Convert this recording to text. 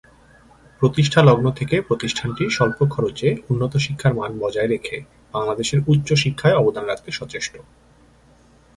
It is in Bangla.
প্রতিষ্ঠালগ্ন থেকে প্রতিষ্ঠানটি স্বল্প খরচে উন্নত শিক্ষার মান বজায় রেখে বাংলাদেশের উচ্চশিক্ষায় অবদান রাখতে সচেষ্ট।